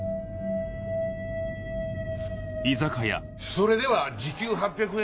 それでは時給８００円